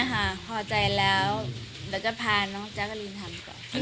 ไม่อะค่ะพอใจแล้วเดี๋ยวก็พาน้องจั๊กรีนทำก่อน